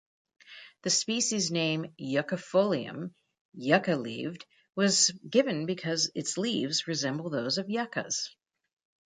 The species name "yuccifolium" "yucca-leaved" was given because its leaves resemble those of yuccas.